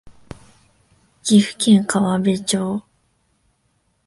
岐阜県川辺町